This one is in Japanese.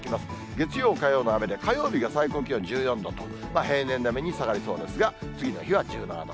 月曜、火曜の雨で、火曜日が最高気温１４度と、平年並みに下がりそうですが、次の日は１７度。